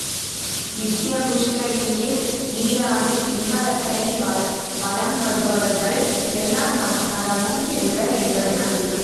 நித்ய புஷ்கரிணியில் நீராடி இம்மரத்தை வலம் வருபவர்கள் எல்லா நலமும் பெறுவர் என்பது நம்பிக்கை.